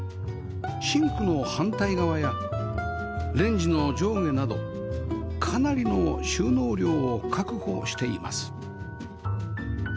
シンクの反対側やレンジの上下などかなりの収納量を確保しています